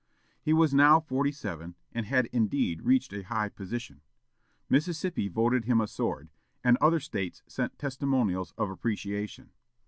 He was now forty seven, and had indeed reached a high position. Mississippi voted him a sword, and other States sent testimonials of appreciation.